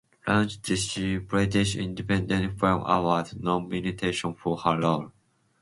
Lynch received a British Independent Film Award nomination for her role.